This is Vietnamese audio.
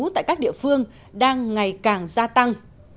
tại các địa phương đang ngày càng gia tăng